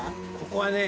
ここはね